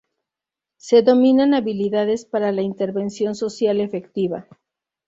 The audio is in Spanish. Se dominan habilidades para la intervención social efectiva.